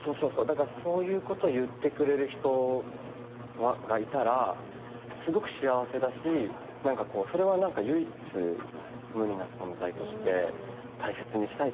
だからそういうこと言ってくれる人がいたらすごく幸せだしそれは何か唯一無二な存在として大切にしたいって思えるだろうし。